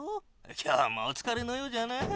今日もおつかれのようじゃな。